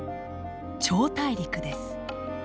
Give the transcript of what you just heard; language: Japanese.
超大陸です。